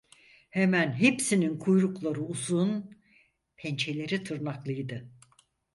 Hemen hepsinin kuyrukları uzun, pençeleri tırnaklıydı.